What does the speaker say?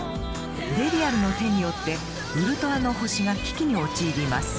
ベリアルの手によってウルトラの星が危機に陥ります。